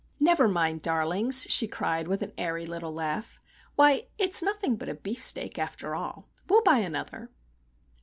"Never mind, darlings," she cried, with an airy little laugh. "Why,—it's nothing but a beefsteak, after all. We'll buy another!"